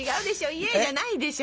「いえい」じゃないでしょ